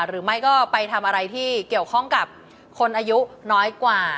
หรือไม่ก็ไปทำอะไรที่เกี่ยวข้องกับคนอายุน้อยกว่า